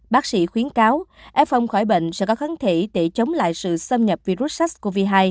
bác sĩ khuyến cáo fon khỏi bệnh sẽ có kháng thể để chống lại sự xâm nhập virus sars cov hai